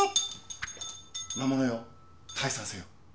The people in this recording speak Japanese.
魔物よ退散せよ。